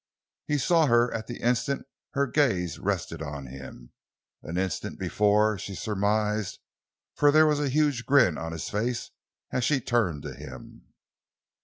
He saw her at the instant her gaze rested on him—an instant before, she surmised, for there was a huge grin on his face as she turned to him.